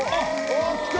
あっきた。